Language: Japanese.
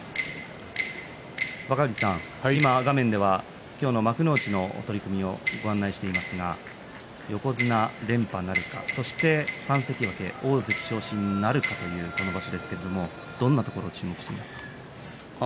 若藤さん、画面では今日の幕内の取組をご案内していますが横綱、連覇なるか、そして３関脇、大関昇進なるかという場所ですがどんなところ、注目しますか？